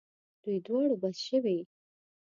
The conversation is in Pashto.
دوی دواړو بس شوې.